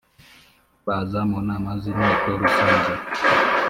baza mu nama z inteko rusange